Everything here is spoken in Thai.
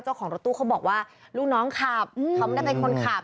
เจ้าของรถตู้เขาบอกว่าลูกน้องขับเขาไม่ได้เป็นคนขับ